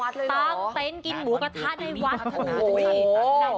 ตามเต้นกินหมูกระทะในวัด